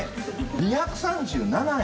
２３７円！？